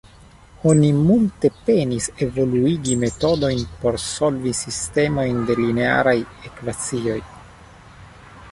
Oni multe penis evoluigi metodojn por solvi sistemojn de linearaj ekvacioj.